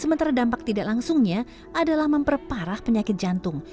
sementara dampak tidak langsungnya adalah memperparah penyakit jantung